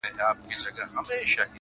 o و گټه، پيل وڅټه٫